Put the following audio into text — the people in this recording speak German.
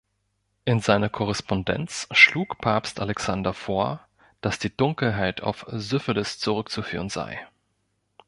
In seiner Korrespondenz schlug Papst Alexander vor, dass die Dunkelheit auf Syphilis zurückzuführen sei.